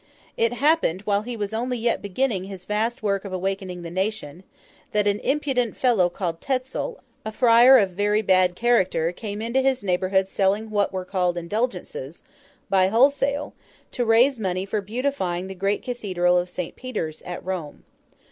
It happened, while he was yet only beginning his vast work of awakening the nation, that an impudent fellow named Tetzel, a friar of very bad character, came into his neighbourhood selling what were called Indulgences, by wholesale, to raise money for beautifying the great Cathedral of St. Peter's, at Rome.